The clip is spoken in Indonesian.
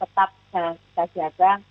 tetap yang kita jaga